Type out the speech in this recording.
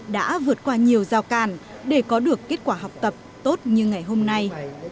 đã vượt qua nhiều giao càn để có được kết quả học tập tốt như ngày hôm nay